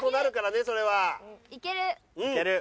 いける。